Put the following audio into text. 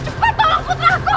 cepat tolong putraku